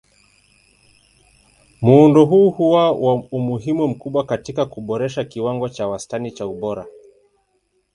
Muundo huu huwa na umuhimu mkubwa katika kuboresha kiwango cha wastani cha ubora.